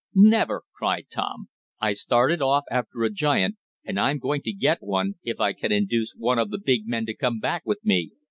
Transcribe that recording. "Never!" cried Tom. "I started off after a giant, and I'm going to get one, if I can induce one of the big men to come back with me.